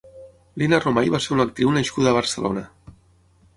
Lina Romay va ser una actriu nascuda a Barcelona.